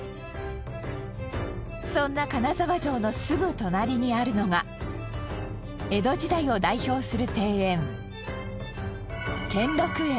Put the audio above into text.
そんな金沢城のすぐ隣にあるのが江戸時代を代表する庭園。